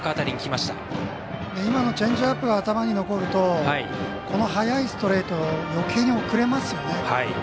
今のチェンジアップが頭に残るとこの速いストレートをよけいに遅れますよね。